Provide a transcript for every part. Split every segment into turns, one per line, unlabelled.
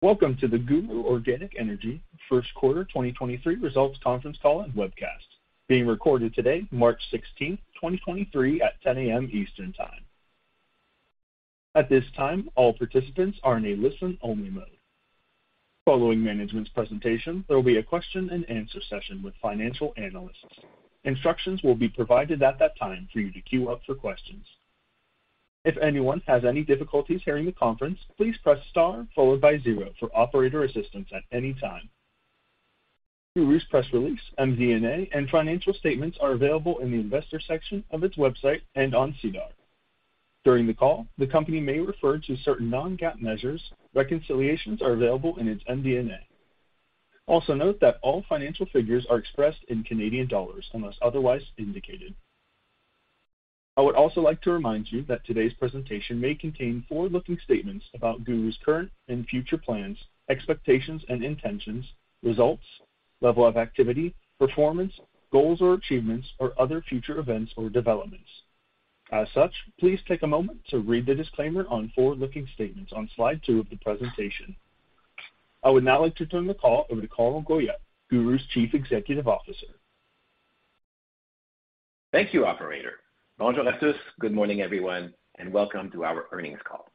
Welcome to the GURU Organic Energy first quarter 2023 results conference call and webcast, being recorded today, March 16, 2023 at 10:00 A.M. Eastern Time. At this time, all participants are in a listen-only mode. Following management's presentation, there'll be a question-and-answer session with financial analysts. Instructions will be provided at that time for you to queue up for questions. If anyone has any difficulties hearing the conference, please press star followed by 0 for operator assistance at any time. GURU's press release, MD&A, and financial statements are available in the investor section of its website and on SEDAR. During the call, the company may refer to certain non-GAAP measures. Reconciliations are available in its MD&A. Also note that all financial figures are expressed in Canadian dollars unless otherwise indicated. I would also like to remind you that today's presentation may contain forward-looking statements about GURU's current and future plans, expectations and intentions, results, level of activity, performance, goals or achievements, or other future events or developments. Such, please take a moment to read the disclaimer on forward-looking statements on slide two of the presentation. I would now like to turn the call over to Carl Goyette, GURU's Chief Executive Officer.
Thank you, operator. Bonjour a tous. Good morning, everyone, and welcome to our earnings call.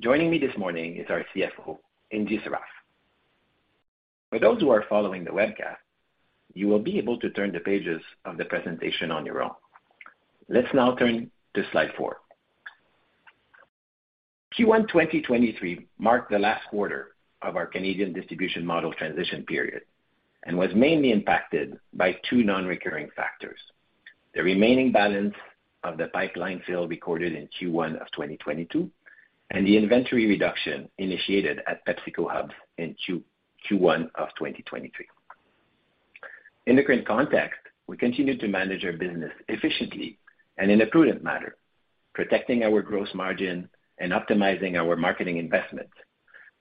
Joining me this morning is our CFO, Ingy Sarraf. For those who are following the webcast, you will be able to turn the pages of the presentation on your own. Let's now turn to slide four. Q1 2023 marked the last quarter of our Canadian distribution model transition period and was mainly impacted by two non-recurring factors. The remaining balance of the pipeline fill recorded in Q1 of 2022, and the inventory reduction initiated at PepsiCo Hub in Q1 of 2023. In the current context, we continue to manage our business efficiently and in a prudent manner, protecting our gross margin and optimizing our marketing investments,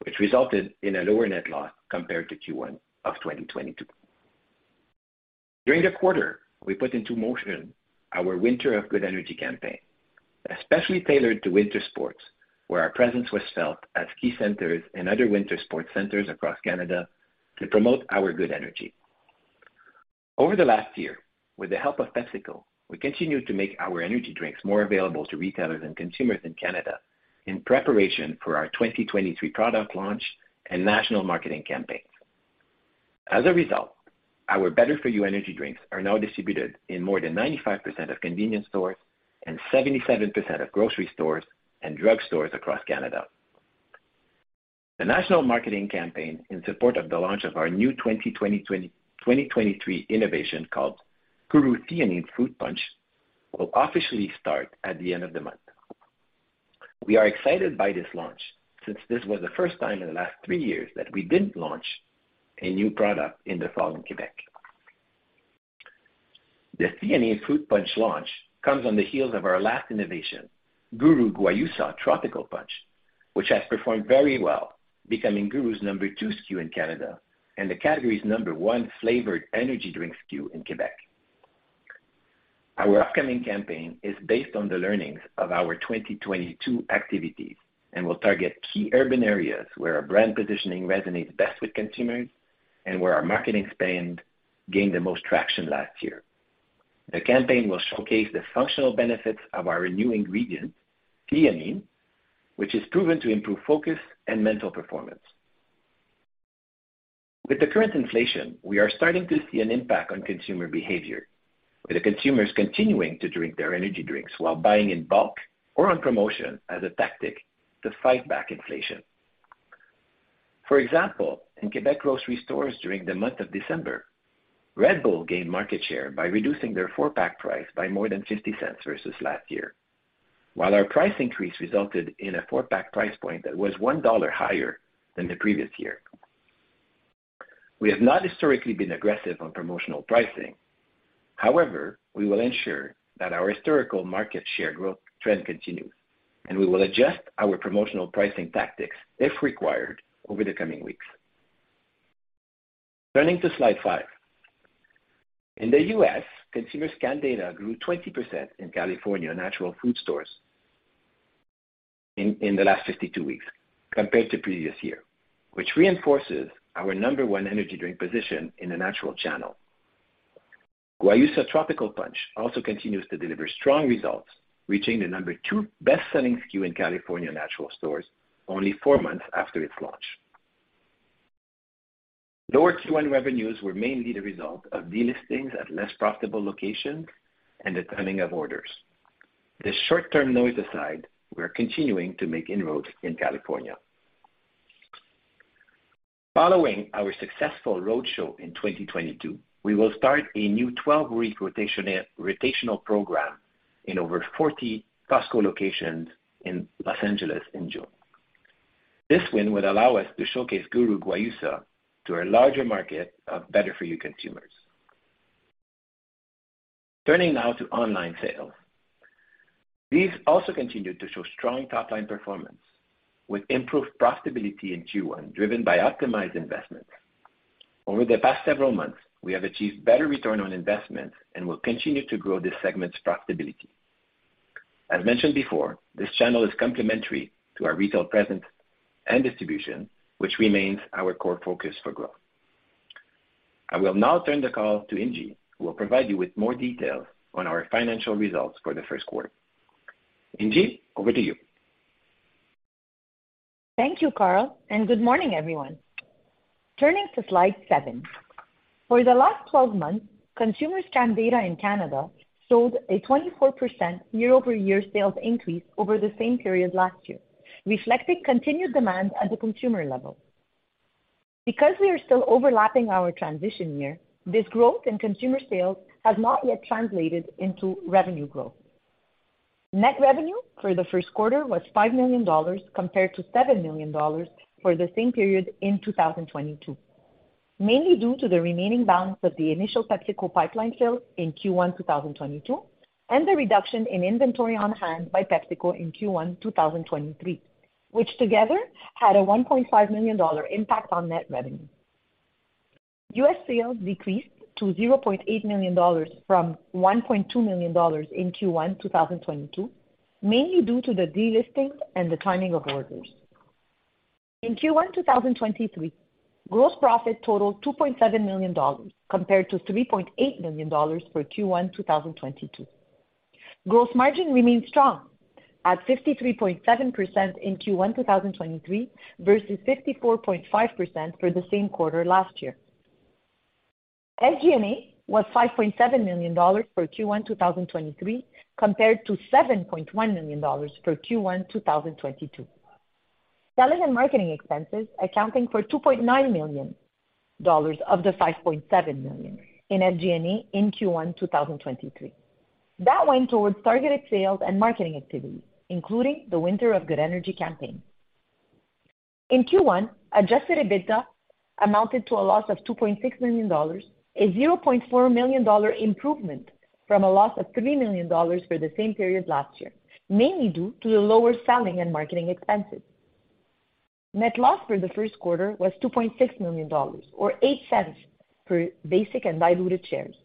which resulted in a lower net loss compared to Q1 of 2022. During the quarter, we put into motion our Winter of Good Energy campaign, especially tailored to winter sports, where our presence was felt at key centers and other winter sports centers across Canada to promote our good energy. Over the last year, with the help of PepsiCo, we continued to make our energy drinks more available to retailers and consumers in Canada in preparation for our 2023 product launch and national marketing campaigns. As a result, our better for you energy drinks are now distributed in more than 95% of convenience stores and 77% of grocery stores and drugstores across Canada. The national marketing campaign in support of the launch of our new 2023 innovation called GURU Theanine Fruit Punch, will officially start at the end of the month. We are excited by this launch since this was the first time in the last three years that we didn't launch a new product in the fall in Quebec. The Theanine Fruit Punch launch comes on the heels of our last innovation, GURU Guayusa Tropical Punch, which has performed very well, becoming GURU's number two SKU in Canada and the category's number one flavored energy drink SKU in Quebec. Our upcoming campaign is based on the learnings of our 2022 activities and will target key urban areas where our brand positioning resonates best with consumers and where our marketing spend gained the most traction last year. The campaign will showcase the functional benefits of our new ingredient, theanine, which is proven to improve focus and mental performance. With the current inflation, we are starting to see an impact on consumer behavior, with the consumers continuing to drink their energy drinks while buying in bulk or on promotion as a tactic to fight back inflation. For example, in Quebec grocery stores during the month of December, Red Bull gained market share by reducing their 4-pack price by more than 0.50 versus last year. Our price increase resulted in a 4-pack price point that was 1 dollar higher than the previous year. We have not historically been aggressive on promotional pricing. We will ensure that our historical market share growth trend continues, and we will adjust our promotional pricing tactics if required over the coming weeks. Turning to slide five. In the U.S., consumer scan data grew 20% in California natural food stores in the last 52 weeks compared to previous year, which reinforces our number one energy drink position in the natural channel. Guayusa Tropical Punch also continues to deliver strong results, reaching the number two best-selling SKU in California natural stores only four months after its launch. Lower Q1 revenues were mainly the result of delistings at less profitable locations and the timing of orders. This short-term noise aside, we're continuing to make inroads in California. Following our successful roadshow in 2022, we will start a new 12-week rotational program in over 40 Costco locations in L.A. in June. This win would allow us to showcase GURU Guayusa to a larger market of better for you consumers. Turning now to online sales. These also continued to show strong top-line performance with improved profitability in Q1, driven by optimized investments. Over the past several months, we have achieved better return on investment and will continue to grow this segment's profitability. As mentioned before, this channel is complementary to our retail presence and distribution, which remains our core focus for growth. I will now turn the call to Ingy, who will provide you with more details on our financial results for the first quarter. Ingy, over to you.
Thank you, Carl, and good morning, everyone. Turning to slide seven. For the last 12 months, consumer scan data in Canada showed a 24% year-over-year sales increase over the same period last year, reflecting continued demand at the consumer level. Because we are still overlapping our transition year, this growth in consumer sales has not yet translated into revenue growth. Net revenue for the first quarter was 5 million dollars compared to 7 million dollars for the same period in 2022, mainly due to the remaining balance of the initial PepsiCo pipeline fill in Q1 2022, and the reduction in inventory on hand by PepsiCo in Q1 2023, which together had a 1.5 million dollar impact on net revenue. US sales decreased to $0.8 million from $1.2 million in Q1 2022, mainly due to the delisting and the timing of orders. In Q1 2023, gross profit totaled $2.7 million, compared to $3.8 million for Q1 2022. Gross margin remains strong at 53.7% in Q1 2023 versus 54.5% for the same quarter last year. SG&A was $5.7 million for Q1 2023, compared to $7.1 million for Q1 2022. Selling and marketing expenses accounting for $2.9 million of the $5.7 million in SG&A in Q1 2023. That went towards targeted sales and marketing activities, including the Winter of Good Energy campaign. In Q1, adjusted EBITDA amounted to a loss of 2.6 million dollars, a 0.4 million dollar improvement from a loss of 3 million dollars for the same period last year, mainly due to the lower selling and marketing expenses. Net loss for the first quarter was 2.6 million dollars, or 0.08 per basic and diluted shares,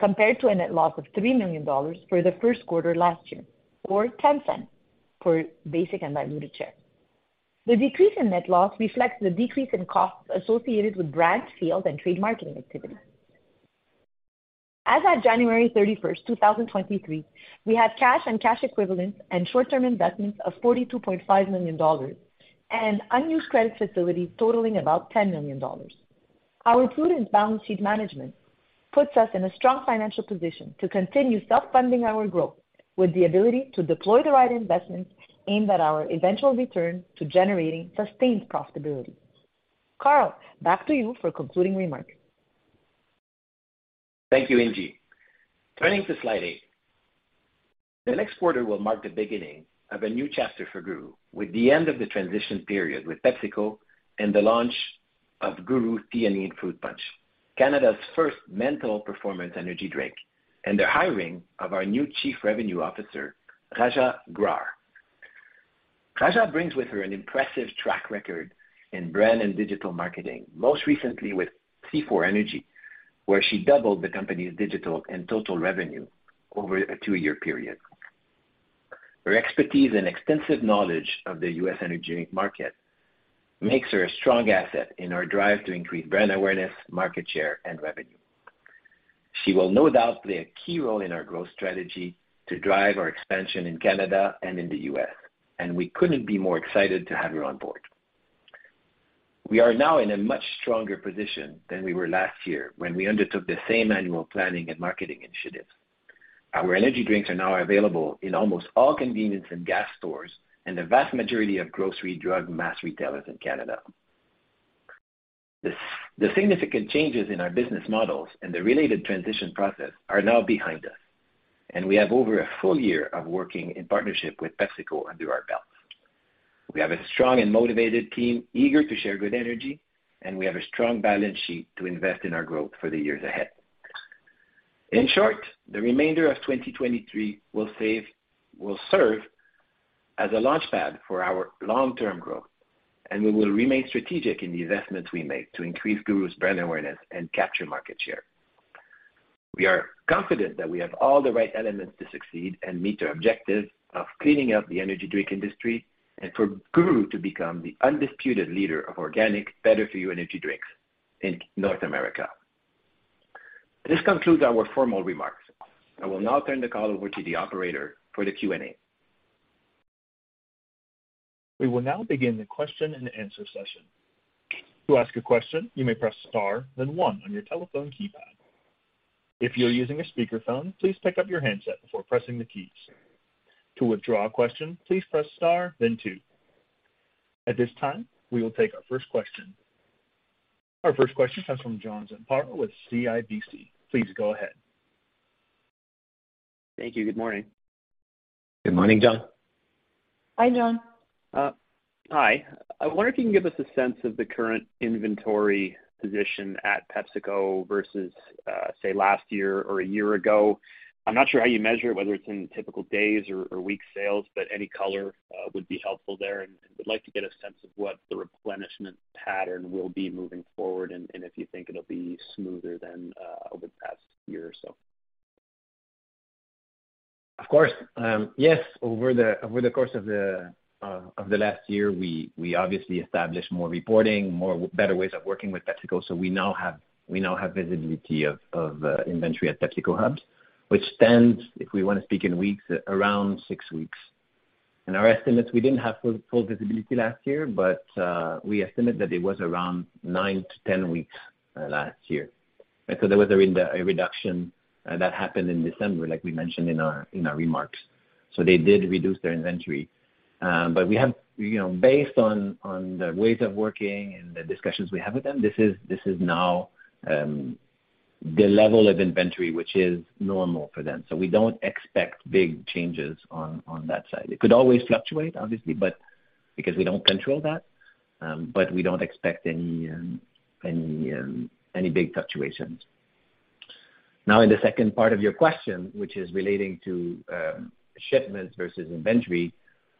compared to a net loss of 3 million dollars for the first quarter last year, or 0.10 per basic and diluted share. The decrease in net loss reflects the decrease in costs associated with brand, sales, and trade marketing activities. As of January 31st, 2023, we have cash and cash equivalents and short-term investments of 42.5 million dollars and unused credit facilities totaling about 10 million dollars. Our prudent balance sheet management puts us in a strong financial position to continue self-funding our growth with the ability to deploy the right investments aimed at our eventual return to generating sustained profitability. Carl, back to you for concluding remarks.
Thank you, Ingy. Turning to slide eight. The next quarter will mark the beginning of a new chapter for GURU, with the end of the transition period with PepsiCo and the launch of GURU Theanine Fruit Punch, Canada's first mental performance energy drink, and the hiring of our new Chief Revenue Officer, Rajaa Grar. Rajaa brings with her an impressive track record in brand and digital marketing, most recently with C4 Energy, where she doubled the company's digital and total revenue over a two-year period. Her expertise and extensive knowledge of the U.S. energy market makes her a strong asset in our drive to increase brand awareness, market share, and revenue. She will no doubt play a key role in our growth strategy to drive our expansion in Canada and in the U.S. We couldn't be more excited to have her on board. We are now in a much stronger position than we were last year when we undertook the same annual planning and marketing initiatives. Our energy drinks are now available in almost all convenience and gas stores and the vast majority of grocery drug mass retailers in Canada. The significant changes in our business models and the related transition process are now behind us. We have over a full year of working in partnership with PepsiCo under our belt. We have a strong and motivated team eager to share good energy. We have a strong balance sheet to invest in our growth for the years ahead. In short, the remainder of 2023 will serve as a launch pad for our long-term growth. We will remain strategic in the investments we make to increase GURU's brand awareness and capture market share. We are confident that we have all the right elements to succeed and meet our objective of cleaning up the energy drink industry and for GURU to become the undisputed leader of organic better-for-you energy drinks in North America. This concludes our formal remarks. I will now turn the call over to the operator for the Q&A.
We will now begin the question-and-answer session. To ask a question, you may press star, then one on your telephone keypad. If you're using a speakerphone, please pick up your handset before pressing the keys. To withdraw a question, please press star then two. At this time, we will take our first question. Our first question comes from John Zamparo with CIBC. Please go ahead.
Thank you. Good morning.
Good morning, John.
Hi, John.
Hi. I wonder if you can give us a sense of the current inventory position at PepsiCo versus, say, last year or a year ago. I'm not sure how you measure it, whether it's in typical days or week sales, but any color would be helpful there. Would like to get a sense of what the replenishment pattern will be moving forward and if you think it'll be smoother than over the past year or so.
Of course. Yes, over the, over the course of the last year, we obviously established more reporting, more better ways of working with PepsiCo. We now have, we now have visibility of inventory at PepsiCo hubs, which stands, if we wanna speak in weeks, around six weeks. In our estimates, we didn't have full visibility last year, but we estimate that it was around 9-10 weeks last year. There was a reduction that happened in December, like we mentioned in our remarks. They did reduce their inventory. We have, you know, based on the ways of working and the discussions we have with them, this is now the level of inventory which is normal for them. We don't expect big changes on that side. It could always fluctuate, obviously, but because we don't control that, but we don't expect any big fluctuations. In the second part of your question, which is relating to shipments versus inventory,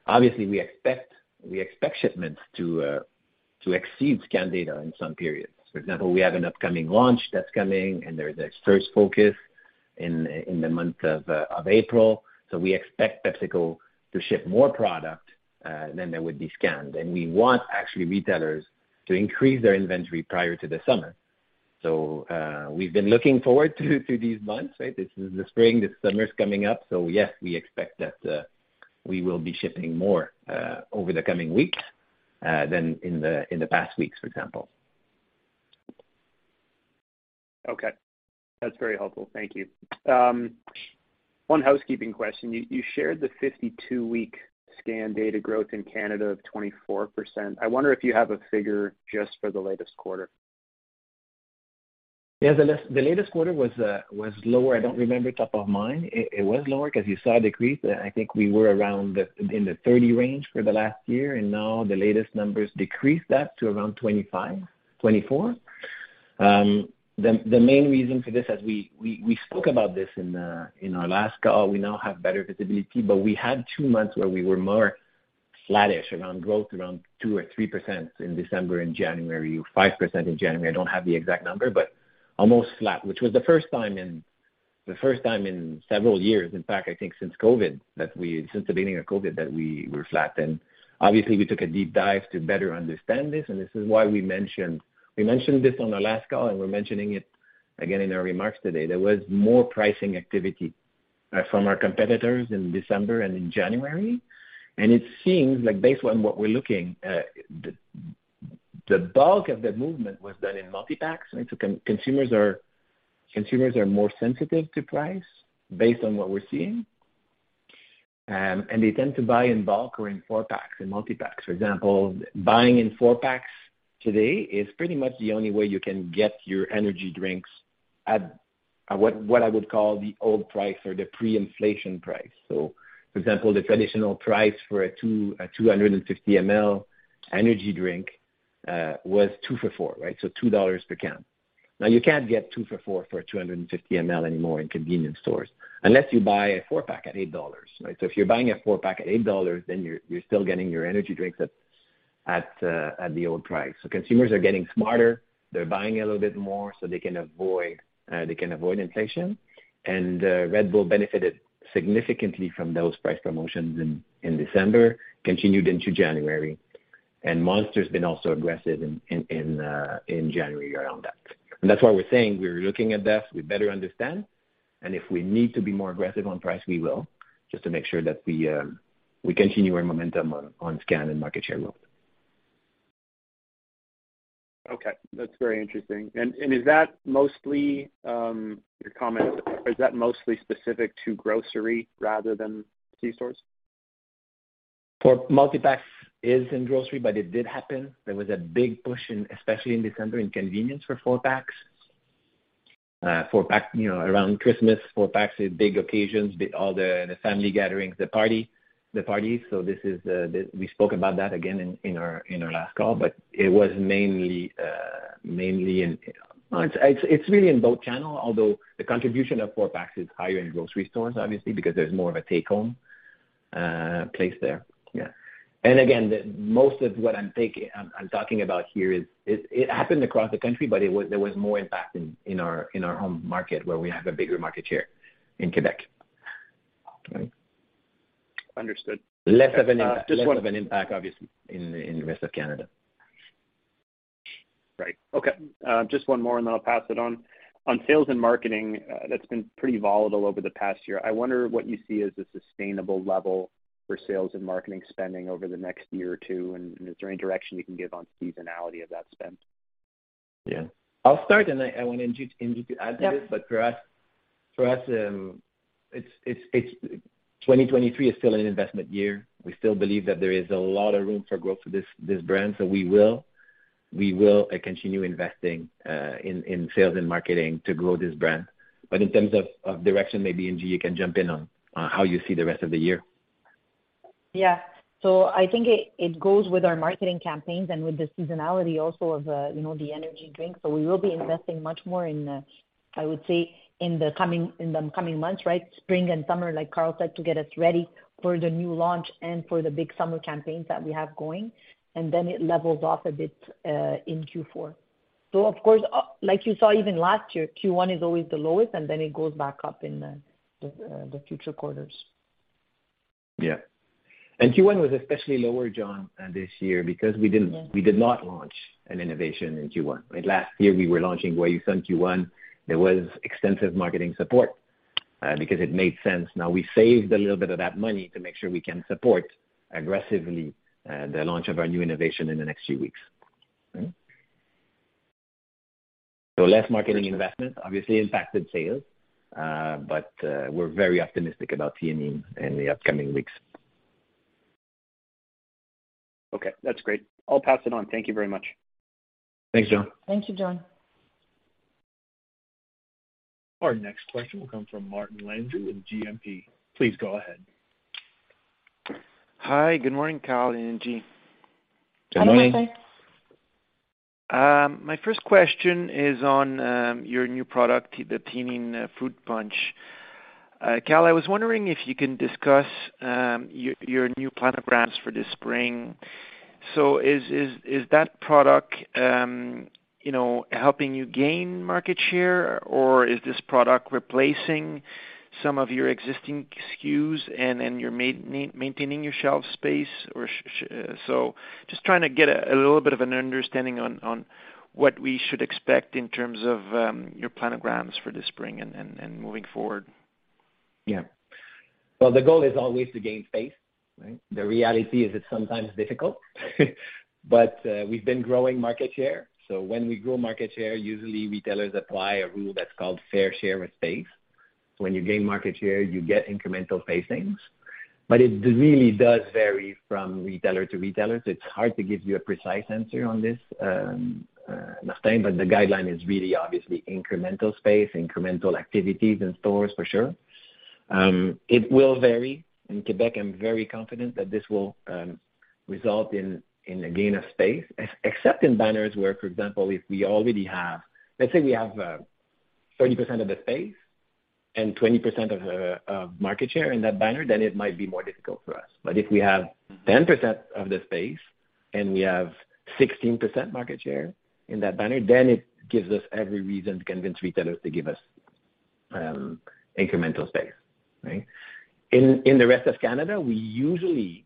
obviously, we expect shipments to exceed scan data in some periods. For example, we have an upcoming launch that's coming, and there's a first focus in the month of April. We expect PepsiCo to ship more product than they would be scanned. We want actually retailers to increase their inventory prior to the summer. We've been looking forward to these months, right? This is the spring. The summer's coming up, so yes, we expect that we will be shipping more over the coming weeks than in the past weeks, for example.
Okay. That's very helpful. Thank you. One housekeeping question. You shared the 52-week consumer scan data growth in Canada of 24%. I wonder if you have a figure just for the latest quarter.
Yeah. The latest quarter was lower. I don't remember top of mind. It was lower 'cause you saw a decrease. I think we were around the 30 range for the last year, now the latest numbers decreased that to around 25, 24. The main reason for this, as we spoke about this in our last call, we now have better visibility, we had two months where we were more flattish around growth, around 2% or 3% in December and January, or 5% in January. I don't have the exact number, almost flat, which was the first time in several years, in fact, I think since COVID, since the beginning of COVID, that we were flat. Obviously, we took a deep dive to better understand this, and this is why we mentioned this on our last call, and we're mentioning it again in our remarks today. There was more pricing activity from our competitors in December and in January. It seems like based on what we're looking, the bulk of the movement was done in multi-packs. Consumers are more sensitive to price based on what we're seeing. They tend to buy in bulk or in 4-packs and multi-packs. For example, buying in 4-packs today is pretty much the only way you can get your energy drinks at what I would call the old price or the pre-inflation price. For example, the traditional price for a 250 ML energy drink was two for four, right? 2 dollars per can. Now you can't get two for 4 for 250 ML anymore in convenience stores unless you buy a 4-pack at 8 dollars, right? If you're buying a 4-pack at 8 dollars, then you're still getting your energy drinks at the old price. Consumers are getting smarter. They're buying a little bit more so they can avoid, they can avoid inflation. Red Bull benefited significantly from those price promotions in December, continued into January. Monster's been also aggressive in January around that. That's why we're saying we're looking at that. We better understand. If we need to be more aggressive on price, we will, just to make sure that we continue our momentum on scan and market share growth.
Okay. That's very interesting. Is that mostly, your comment, is that mostly specific to grocery rather than C stores?
For multi-packs is in grocery. It did happen. There was a big push in, especially in December, in convenience for 4-packs. four-pack, you know, around Christmas, 4-packs is big occasions, all the family gatherings, the party, the parties. This is, we spoke about that again in our last call, but it was mainly. No. It's really in both channel, although the contribution of 4-packs is higher in grocery stores obviously, because there's more of a take-home place there. Again, the most of what I'm talking about here is it happened across the country, but there was more impact in our home market, where we have a bigger market share in Quebec. Right?
Understood.
Less of an impact.
Just one-
Less of an impact, obviously, in rest of Canada.
Right. Okay. just one more, and then I'll pass it on. On sales and marketing, that's been pretty volatile over the past year. I wonder what you see as a sustainable level for sales and marketing spending over the next year or two, and is there any direction you can give on seasonality of that spend?
Yeah. I'll start, and I want Ingy to add to this.
Yeah.
For us, 2023 is still an investment year. We still believe that there is a lot of room for growth for this brand. We will continue investing in sales and marketing to grow this brand. In terms of direction, maybe Ingy you can jump in on how you see the rest of the year.
Yeah. I think it goes with our marketing campaigns and with the seasonality also of, you know, the energy drink. We will be investing much more in, I would say, in the coming, in the coming months, right? Spring and summer, like Carl said, to get us ready for the new launch and for the big summer campaigns that we have going. It levels off a bit, in Q4. of course, like you saw even last year, Q1 is always the lowest, then it goes back up in the future quarters.
Yeah. Q1 was especially lower, John, this year.
Yeah.
We did not launch an innovation in Q1. Right? Last year, we were launching Guayusa in Q1. There was extensive marketing support, because it made sense. Now we saved a little bit of that money to make sure we can support aggressively, the launch of our new innovation in the next few weeks. Less marketing investment obviously impacted sales, but, we're very optimistic about Theanine the upcoming weeks.
Okay, that's great. I'll pass it on. Thank you very much.
Thanks, John.
Thank you, John.
Our next question will come from Martin Landry with Stifel. Please go ahead.
Hi. Good morning, Carl and Ingy.
Good morning.
Hi, Martin.
My first question is on your new product, the Theanine Fruit Punch. Carl, I was wondering if you can discuss your new planograms for this spring. Is that product, you know, helping you gain market share, or is this product replacing some of your existing SKUs and you're maintaining your shelf space? Or just trying to get a little bit of an understanding on what we should expect in terms of your planograms for the spring and moving forward.
Yeah. Well, the goal is always to gain space, right? The reality is it's sometimes difficult. We've been growing market share. When we grow market share, usually retailers apply a rule that's called fair share of space. When you gain market share, you get incremental facings. It really does vary from retailer to retailer, so it's hard to give you a precise answer on this, Martin. The guideline is really obviously incremental space, incremental activities in stores for sure. It will vary. In Quebec, I'm very confident that this will result in a gain of space, except in banners where, for example, if we already have... Let's say we have 30% of the space and 20% of market share in that banner, it might be more difficult for us. If we have 10% of the space and we have 16% market share in that banner, then it gives us every reason to convince retailers to give us incremental space, right? In, in the rest of Canada, we usually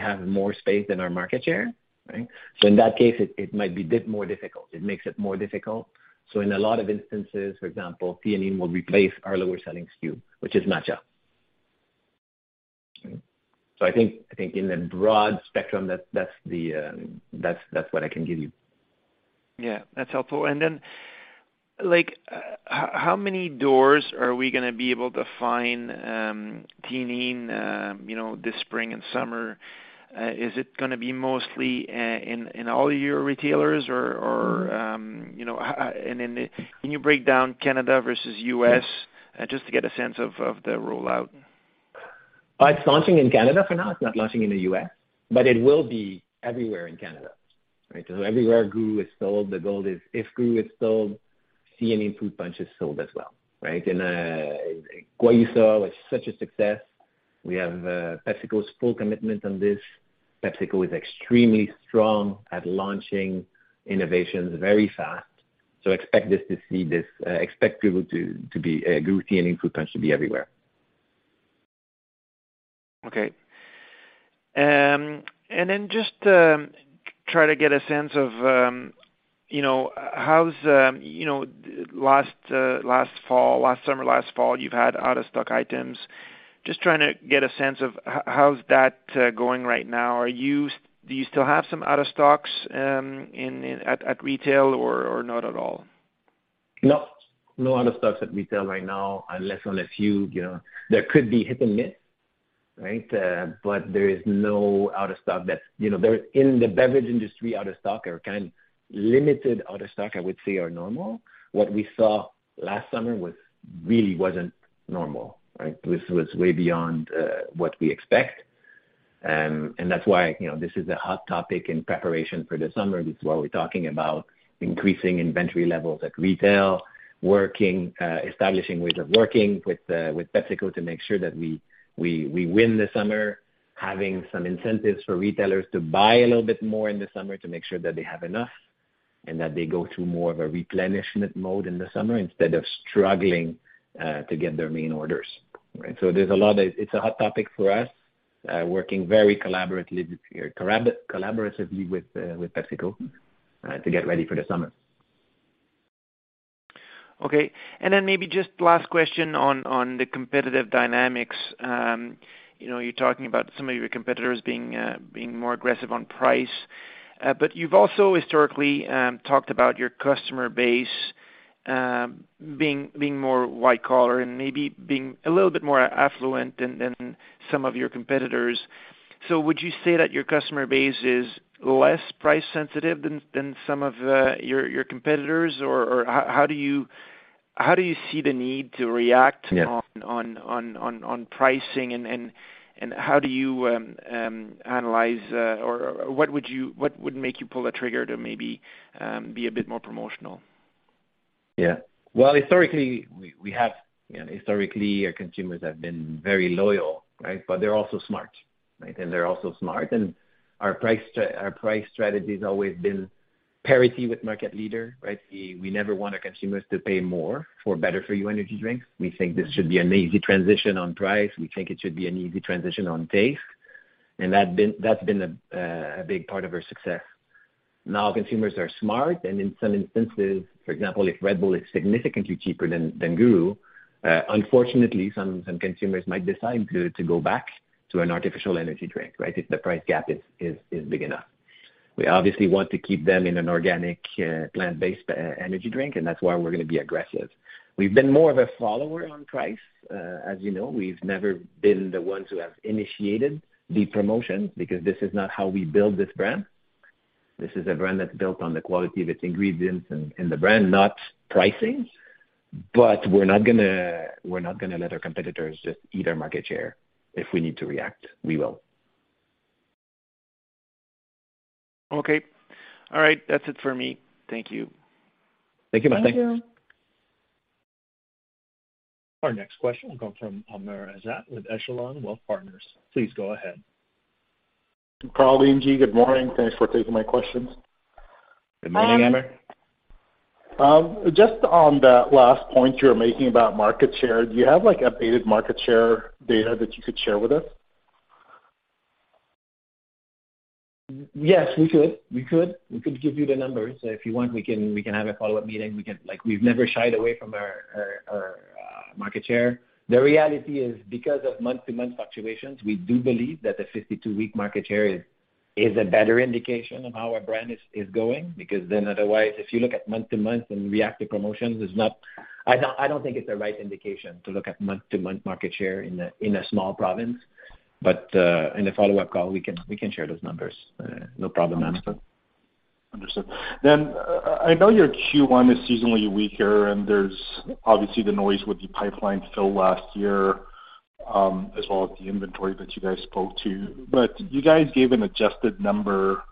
have more space than our market share, right? In that case it might be a bit more difficult. It makes it more difficult. In a lot of instances, for example, Theanine will replace our lower selling SKU, which is matcha. I think in the broad spectrum, that's the, that's what I can give you.
Yeah. That's helpful. Like, how many doors are we gonna be able to find, Theanine, you know, this spring and summer? Is it gonna be mostly in all your retailers or, you know, how? Can you break down Canada versus US, just to get a sense of the rollout?
It's launching in Canada for now, it's not launching in the U.S., but it will be everywhere in Canada, right? Everywhere GURU is sold, the goal is if GURU is sold, Theanine Fruit Punch is sold as well, right? Guayusa was such a success. We have PepsiCo's full commitment on this. PepsiCo is extremely strong at launching innovations very fast. Expect this to see this, expect people to be GURU Theanine Fruit Punch to be everywhere.
Okay. Just to try to get a sense of, you know, how's, you know, last fall, last summer, last fall, you've had out of stock items. Just trying to get a sense of how's that going right now. Do you still have some out of stocks at retail or not at all?
No. No out of stocks at retail right now, unless on a few, you know, there could be hit and miss, right? But there is no out of stock that. You know, in the beverage industry, out of stock or kind of limited out of stock, I would say are normal. What we saw last summer was really wasn't normal, right? It was way beyond what we expect, and that's why, you know, this is a hot topic in preparation for the summer. This is why we're talking about increasing inventory levels at retail, working, establishing ways of working with PepsiCo to make sure that we win this summer, having some incentives for retailers to buy a little bit more in the summer to make sure that they have enough, and that they go through more of a replenishment mode in the summer instead of struggling to get their main orders. Right? It's a hot topic for us, working very collaboratively with PepsiCo to get ready for the summer.
Okay. Maybe just last question on the competitive dynamics. you know, you're talking about some of your competitors being more aggressive on price, but you've also historically, talked about your customer base, being more white collar and maybe being a little bit more affluent than some of your competitors. Would you say that your customer base is less price sensitive than some of your competitors, or how do you see the need to react-
Yeah.
On pricing, and how do you analyze, or what would make you pull the trigger to maybe be a bit more promotional?
Well, historically we have, you know, historically our consumers have been very loyal, right? They're also smart, right? They're also smart, and our price strategy has always been parity with market leader, right? We never want our consumers to pay more for better-for-you energy drinks. We think this should be an easy transition on price. We think it should be an easy transition on taste, and that's been a big part of our success. Now, consumers are smart, and in some instances, for example, if Red Bull is significantly cheaper than GURU, unfortunately some consumers might decide to go back to an artificial energy drink, right? If the price gap is big enough. We obviously want to keep them in an organic, plant-based energy drink, that's why we're gonna be aggressive. We've been more of a follower on price. As you know, we've never been the ones who have initiated the promotion because this is not how we build this brand. This is a brand that's built on the quality of its ingredients and the brand, not pricing. We're not gonna let our competitors just eat our market share. If we need to react, we will.
Okay. All right. That's it for me. Thank you.
Thank you, Martin.
Thank you.
Our next question will come from Amr Ezzat with Echelon Wealth Partners. Please go ahead.
Carl and Ingy, good morning. Thanks for taking my questions.
Good morning, Amr.
Um-
Just on that last point you were making about market share, do you have updated market share data that you could share with us?
Yes, we could give you the numbers. If you want, we can have a follow-up meeting. We can. Like, we've never shied away from our market share. The reality is because of month-to-month fluctuations, we do believe that the 52-week market share is a better indication of how our brand is going because then otherwise, if you look at month to month and reactive promotions is not. I don't think it's the right indication to look at month-to-month market share in a small province. In the follow-up call, we can share those numbers. No problem, Amr.
Understood. I know your Q1 is seasonally weaker, and there's obviously the noise with the pipeline fill last year, as well as the inventory that you guys spoke to. You guys gave an adjusted number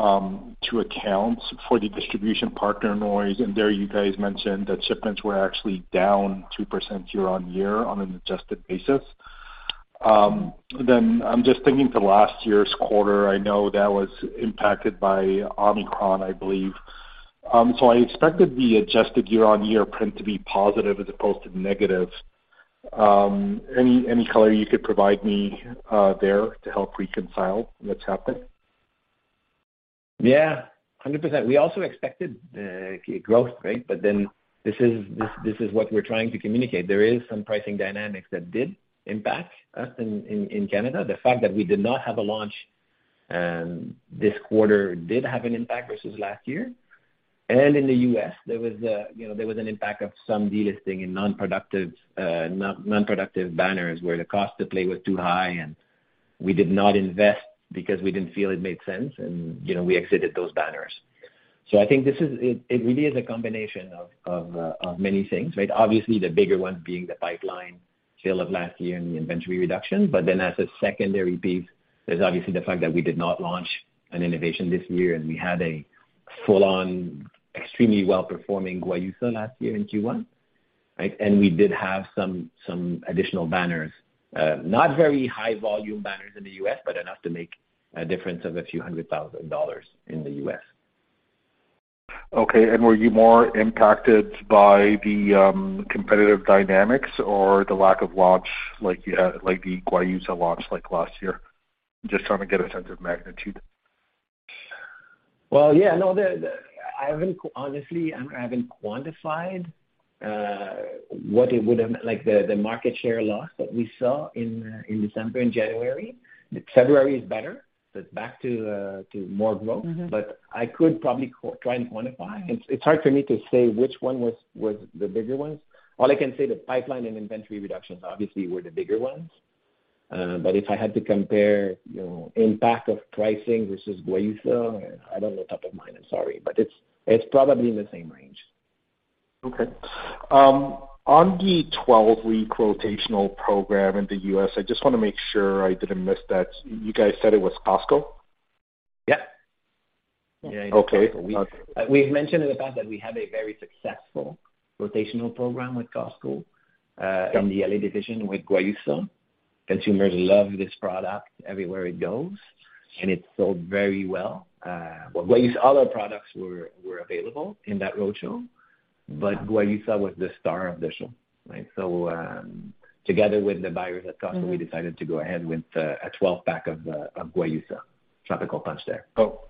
to account for the distribution partner noise, and there you guys mentioned that shipments were actually down 2% year-on-year on an adjusted basis. I'm just thinking for last year's quarter, I know that was impacted by Omicron, I believe. I expected the adjusted year-on-year print to be positive as opposed to negative. Any color you could provide me there to help reconcile what's happened?
Yeah, 100%. We also expected growth, right? This is what we're trying to communicate. There is some pricing dynamics that did impact us in Canada. The fact that we did not have a launch this quarter did have an impact versus last year. In the U.S. there was a, you know, there was an impact of some delisting in non-productive, non-productive banners where the cost to play was too high, and we did not invest because we didn't feel it made sense and, you know, we exited those banners. I think this really is a combination of many things, right? Obviously, the bigger one being the pipeline fill of last year and the inventory reduction. As a secondary piece, there's obviously the fact that we did not launch an innovation this year, and we had a full-on extremely well-performing Guayusa last year in Q1, right? We did have some additional banners, not very high volume banners in the U.S., but enough to make a difference of a few $100,000 in the U.S.
Okay. Were you more impacted by the competitive dynamics or the lack of launch like you had, like the Guayusa launch like last year? Just trying to get a sense of magnitude.
Well, yeah, no, I haven't honestly, Amr, I haven't quantified what it would have, like the market share loss that we saw in December and January. February is better. It's back to more growth.
Mm-hmm.
I could probably try and quantify. It's hard for me to say which one was the bigger ones. All I can say the pipeline and inventory reductions obviously were the bigger ones. If I had to compare, you know, impact of pricing versus Guayusa, I don't know, top of mind, I'm sorry. It's probably in the same range.
Okay. on the 12-week rotational program in the U.S., I just wanna make sure I didn't miss that. You guys said it was Costco?
Yeah. Yeah.
Okay.
We've mentioned in the past that we have a very successful rotational program with Costco, from the L.A. division with Guayusa. Consumers love this product everywhere it goes, and it's sold very well. Guayusa-- other products were available in that roadshow, but Guayusa was the star of the show, right? together with the buyers at Costco.
Mm-hmm.
We decided to go ahead with, a 12-pack of Guayusa Tropical Punch there.
Oh,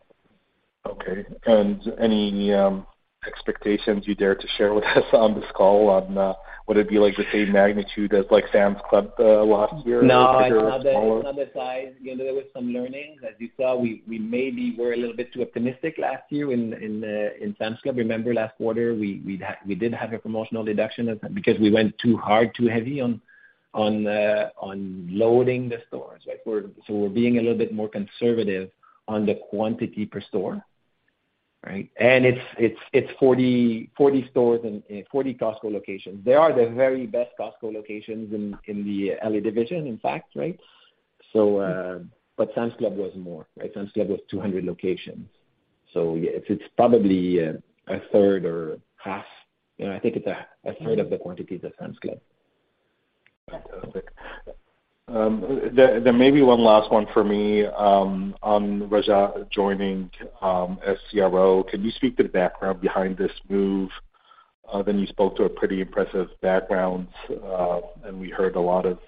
okay. Any expectations you dare to share with us on this call on, would it be like the same magnitude as like Sam's Club last year?
No.
Bigger or smaller?
It's another size. You know, there was some learning. As you saw, we maybe were a little bit too optimistic last year in Sam's Club. Remember last quarter, we did have a promotional reduction as because we went too hard, too heavy on loading the stores. We're being a little bit more conservative on the quantity per store, right? It's 40 stores and 40 Costco locations. They are the very best Costco locations in the L.A. division, in fact, right? Sam's Club was more, right? Sam's Club was 200 locations. Yeah, it's probably a third or half. You know, I think it's a third of the quantity of the Sam's Club.
Fantastic. There may be one last one for me on Rajaa joining as CRO. Can you speak to the background behind this move? You spoke to a pretty impressive background, and we heard a lot of,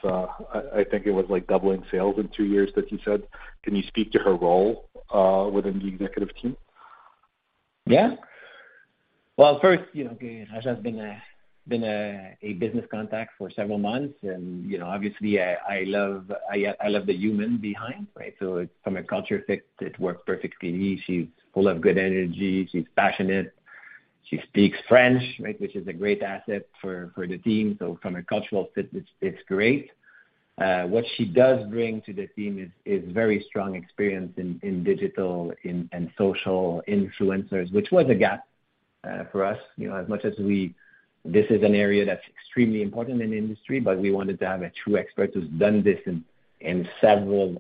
I think it was like doubling sales in two years that you said. Can you speak to her role within the executive team?
Well, first, you know, Rajaa's been a business contact for several months and, you know, obviously I love the human behind, right? From a culture fit, it works perfectly. She's full of good energy. She's passionate. She speaks French, right? Which is a great asset for the team. From a cultural fit, it's great. What she does bring to the team is very strong experience in digital and social influencers, which was a gap for us. You know, this is an area that's extremely important in the industry, but we wanted to have a true expert who's done this in several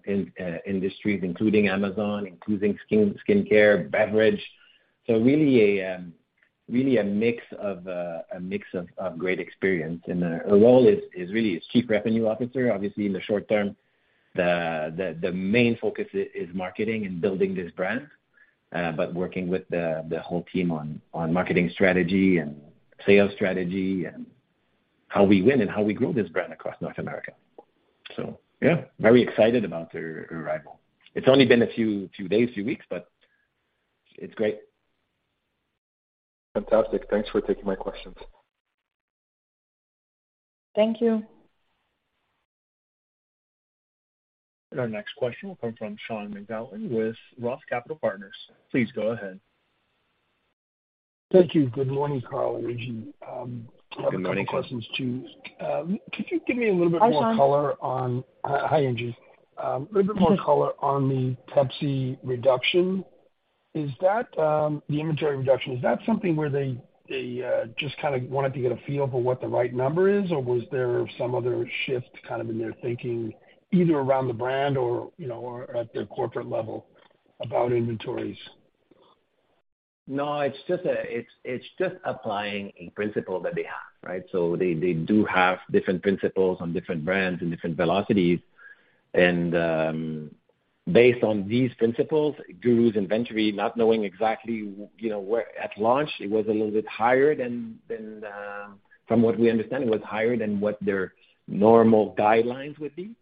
industries, including Amazon, including skin care, beverage. Really a mix of great experience. Her role is really is Chief Revenue Officer. Obviously, in the short term, the main focus is marketing and building this brand, but working with the whole team on marketing strategy and sales strategy and how we win and how we grow this brand across North America. Very excited about her arrival. It's only been a few days, few weeks, but it's great.
Fantastic. Thanks for taking my questions.
Thank you.
Our next question will come from Sean McGowan with Roth MKM. Please go ahead.
Thank you. Good morning, Carl, Ingy. I have a couple questions.
Good morning.
Could you give me a little bit more color on-
Hi, Sean.
Hi, Ingy. A little bit more color on the Pepsi reduction. Is that, the inventory reduction, is that something where they just kinda wanted to get a feel for what the right number is? Or was there some other shift kind of in their thinking, either around the brand or, you know, or at the corporate level about inventories?
No, it's just applying a principle that they have, right? They do have different principles on different brands and different velocities. Based on these principles, GURU's inventory, not knowing exactly, you know, where. At launch it was a little bit higher than from what we understand, it was higher than what their normal guidelines would be.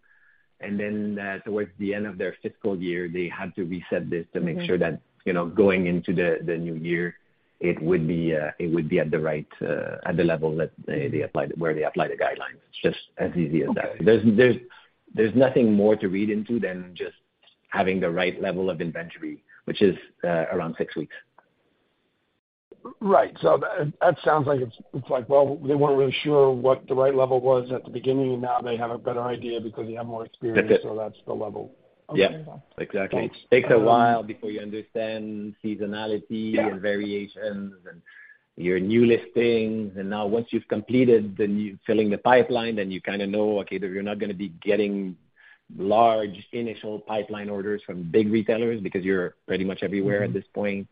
Towards the end of their fiscal year, they had to reset this to make sure that, you know, going into the new year, it would be at the right level that they applied, where they apply the guidelines, just as easy as that. There's nothing more to read into than just having the right level of inventory, which is around six weeks.
Right. That sounds like it's like, well, they weren't really sure what the right level was at the beginning, and now they have a better idea because they have more experience.
That's it.
That's the level.
Yeah.
Okay.
Exactly. It takes a while before you understand seasonality.
Yeah...
and variations and your new listings. Once you've completed filling the pipeline, you kind of know, okay, that you're not going to be getting large initial pipeline orders from big retailers because you're pretty much everywhere at this point.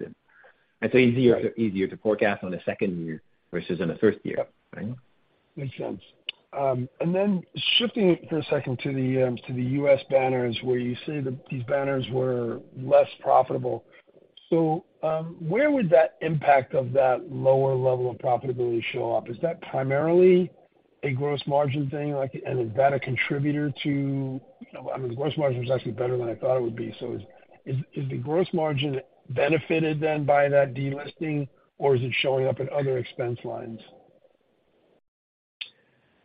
It's easier to forecast on a second year versus on a first year.
Yeah. Makes sense. Shifting for a second to the US banners where you say that these banners were less profitable. Where would that impact of that lower level of profitability show up? Is that primarily a gross margin thing? Like, and is that a contributor to, you know... I mean, gross margin was actually better than I thought it would be. Is the gross margin benefited then by that delisting, or is it showing up in other expense lines?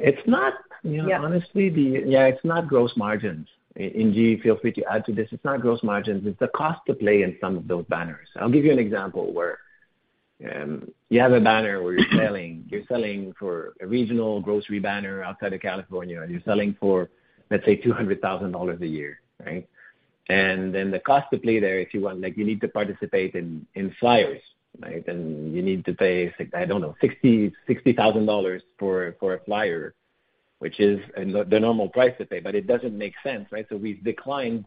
It's not, you know.
Yeah.
Honestly, Yeah, it's not gross margins. Ingy, feel free to add to this. It's not gross margins, it's the cost to play in some of those banners. I'll give you an example where you have a banner where you're selling for a regional grocery banner outside of California, and you're selling for, let's say, $200,000 a year, right? The cost to play there, if you want, like you need to participate in flyers, right? You need to pay, I don't know, $60,000 for a flyer, which is the normal price to pay, but it doesn't make sense, right? We've declined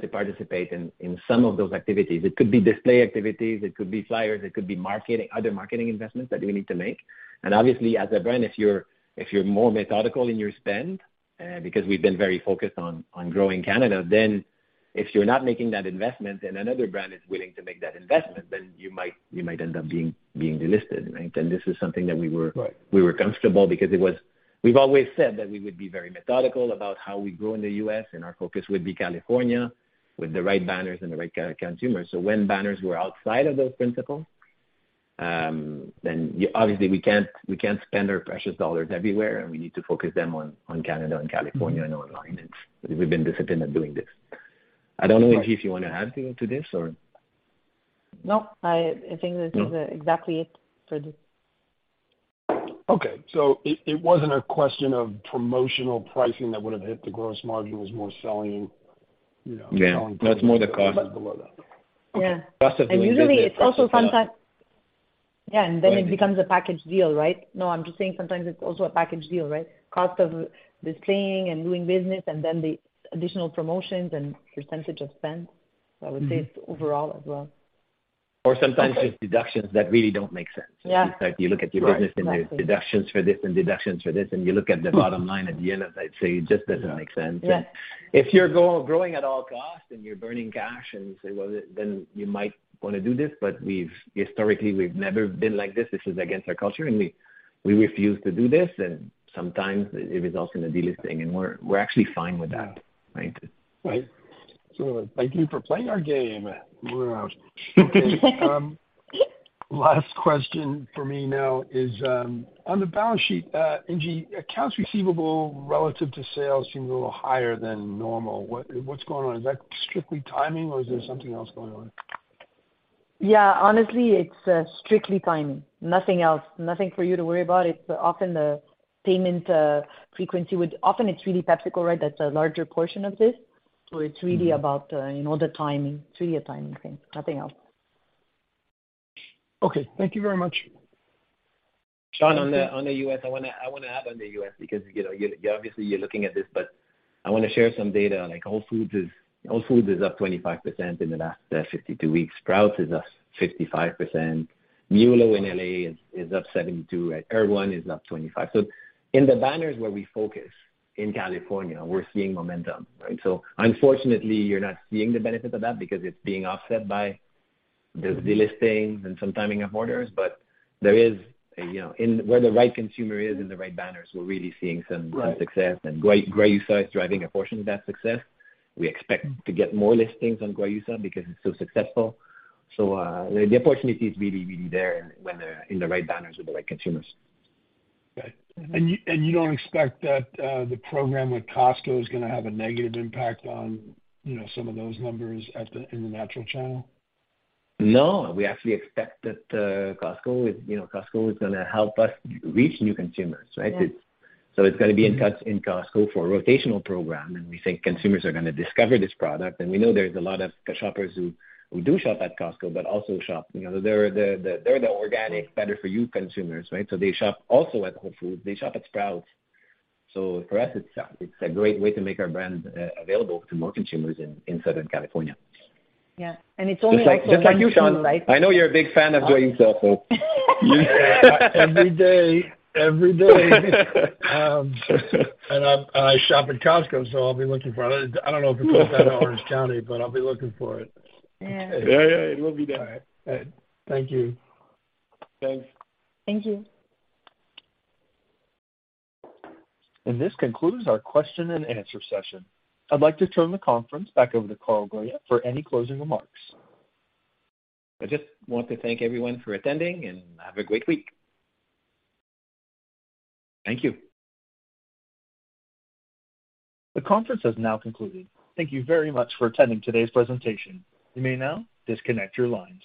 to participate in some of those activities. It could be display activities, it could be flyers, it could be marketing, other marketing investments that you need to make. Obviously as a brand, if you're more methodical in your spend, because we've been very focused on growing Canada, then if you're not making that investment and another brand is willing to make that investment, then you might end up being delisted, right? This is something that.
Right...
we were comfortable because We've always said that we would be very methodical about how we grow in the U.S. Our focus would be California with the right banners and the right consumers. When banners were outside of those principles, then obviously we can't spend our precious dollars everywhere, and we need to focus them on Canada and California and online. We've been disciplined at doing this. I don't know, Ingy, if you wanna add to this or...
No. I think this is.
No...
exactly it for this.
Okay. It wasn't a question of promotional pricing that would've hit the gross margin. It was more selling, you know-
Yeah.
Selling products below that.
No, it's more the cost.
Yeah.
Cost of goods.
usually it's also. Yeah, and then it becomes a package deal, right? No, I'm just saying sometimes it's also a package deal, right? Cost of the staying and doing business and then the additional promotions and percentage of spend. I would say it's overall as well.
Sometimes it's deductions that really don't make sense.
Yeah.
In fact, you look at your business.
Exactly.
There's deductions for this and deductions for this, and you look at the bottom line at the end of that, so it just doesn't make sense.
Yeah.
If you're growing at all costs and you're burning cash and you say, "Well, then you might wanna do this," but we've historically, we've never been like this. This is against our culture, and we refuse to do this, and sometimes it results in a delisting, and we're actually fine with that.
Yeah.
Right?
Right. Thank you for playing our game. Wow. Okay. Last question for me now is, on the balance sheet, Ingy, accounts receivable relative to sales seem a little higher than normal. What's going on? Is that strictly timing or is there something else going on?
Yeah. Honestly, it's strictly timing. Nothing else. Nothing for you to worry about. It's often the payment. Often it's really PepsiCo, right? That's a larger portion of this. It's really about, you know, the timing. It's really a timing thing, nothing else.
Okay. Thank you very much.
Sean, on the US, I wanna add on the US because, you know, you're obviously you're looking at this, but I wanna share some data. Like, Whole Foods is up 25% in the last 52 weeks. Sprouts is up 55%. MULO in L.A. is up 72%, right? Erewhon is up 25%. In the banners where we focus in California, we're seeing momentum, right? Unfortunately you're not seeing the benefit of that because it's being offset by the delisting and some timing of orders. There is a, you know, in where the right consumer is in the right banners, we're really seeing some success.
Right.
Guayusa is driving a portion of that success. We expect to get more listings on Guayusa because it's so successful. The opportunity is really, really there when they're in the right banners with the right consumers.
Okay. You don't expect that, the program with Costco is gonna have a negative impact on, you know, some of those numbers in the natural channel?
No. We actually expect that, Costco is, you know, Costco is gonna help us reach new consumers, right.
Yeah.
It's going to be in Costco for a rotational program. We think consumers are going to discover this product. We know there's a lot of shoppers who do shop at Costco, but also shop, you know, they're the organic better for you consumers, right? They shop also at Whole Foods. They shop at Sprouts. For us, it's a great way to make our brand available to more consumers in Southern California.
Yeah. it's only like.
Just like you, Sean. I know you're a big fan of Guayusa, so
Every day. Every day. I shop at Costco, so I'll be looking for it. I don't know if it's sold at Orange County, but I'll be looking for it.
Yeah.
Yeah, yeah, it will be there.
All right. Thank you.
Thanks.
Thank you.
This concludes our question and answer session. I'd like to turn the conference back over to Carl Goyette for any closing remarks.
I just want to thank everyone for attending and have a great week. Thank you.
The conference has now concluded. Thank you very much for attending today's presentation. You may now disconnect your lines.